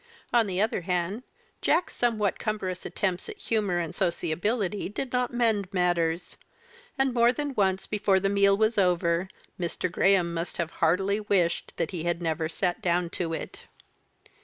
On the other hand. Jack's somewhat cumbrous attempts at humour and sociability did not mend matters; and more than once before the meal was over Mr. Graham must have heartily wished that he had never sat down to it.